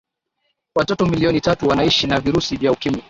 watoto milioni tatu wanaishi na virusi vya ukimwi